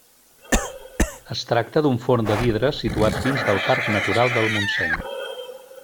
Es tracta d'un forn de vidre situat dins del Parc Natural del Montseny.